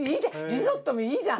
リゾットもいいじゃん！